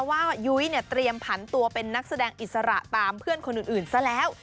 ยุ้ยเนี่ยเตรียมผันตัวเป็นนักแสดงอิสระตามเพื่อนคนอื่นซะแล้ว